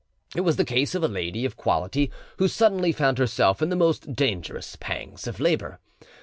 It was the case of a lady of quality who suddenly found herself in the most dangerous pangs of labour.